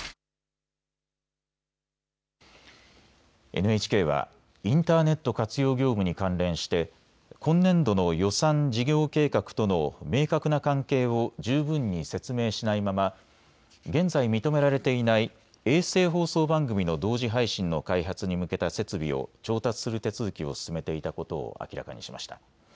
ＮＨＫはインターネット活用業務に関連して今年度の予算・事業計画との明確な関係を十分に説明しないまま現在認められていない衛星放送番組の同時配信の開発に向けた設備を調達する手続きを進めていたことを明らかにしました。